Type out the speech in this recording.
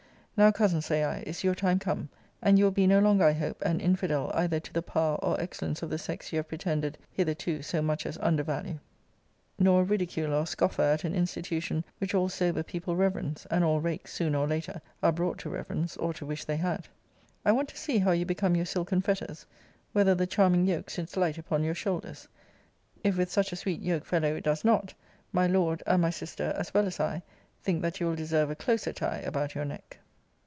Now, Cousin, say I, is your time come; and you will be no longer, I hope, an infidel either to the power or excellence of the sex you have pretended hitherto so much as undervalue; nor a ridiculer or scoffer at an institution which all sober people reverence, and all rakes, sooner or later, are brought to reverence, or to wish they had. I want to see how you become your silken fetters: whether the charming yoke sits light upon your shoulders. If with such a sweet yoke fellow it does not, my Lord, and my sister, as well as I, think that you will deserve a closer tie about your neck.